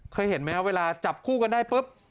เคยเห็นไหมครับเวลาจับคู่กันได้ปุ๊บ